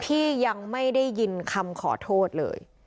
ที่ยังไม่ได้ยินคำขอโทษเลย